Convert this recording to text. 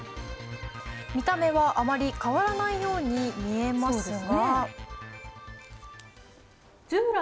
見た目はあまり変わらないように見えますが。